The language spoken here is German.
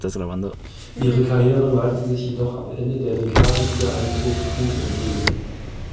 Ihre Karriere neigte sich jedoch ab Ende der Dekade wieder einem toten Punkt entgegen.